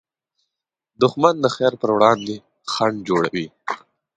دښمن د خیر پر وړاندې خنډ جوړوي